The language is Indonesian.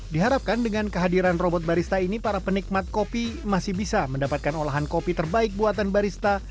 diharapkan dengan kehadiran robot barista ini para penikmat kopi masih bisa mendapatkan olahan kopi terbaik buatan barista